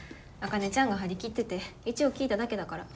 茜ちゃんが張り切ってて一応聞いただけだから。